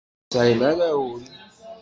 Ur tesɛim ara ul.